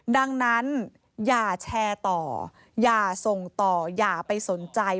ดังนั้นอย่าแชร์ต่ออย่าส่งต่ออย่าไปสนใจ